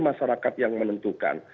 masyarakat yang menentukan